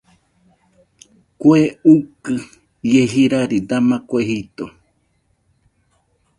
Kue ukɨ ie jirari dama kue jito.